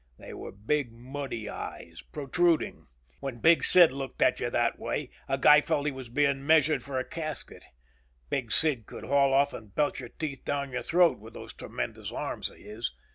They were big muddy eyes, protruding. When Big Sid looked at you that way, a guy felt he was being measured for a casket. Big Sid could haul off and belt your teeth down your throat with those tremendous arms of his.